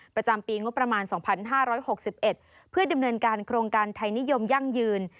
ประจำปีงบประมาณ๒๕๖๑เพื่อดำเนินการโครงการไทยนิยมยั่งยืน